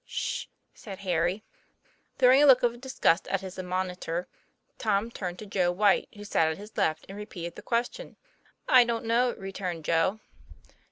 "Sh!" said Harry. Throwing a look of disgust at his admonitor, Tom turned to Joe Whyte, who sat at his left side, and re peated the question. "I don't know," returned Joe.